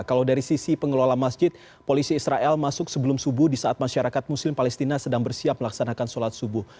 kalau dari sisi pengelola masjid polisi israel masuk sebelum subuh di saat masyarakat muslim palestina sedang bersiap melaksanakan sholat subuh